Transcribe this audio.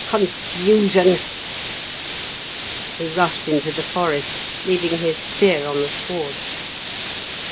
Confusion!" He rushed into the forest, leaving his spear on the sward.